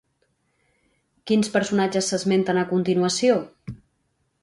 Quins personatges s'esmenten a continuació?